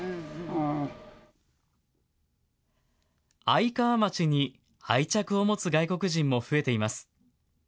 愛川町に愛着を持つ外国人も増えています。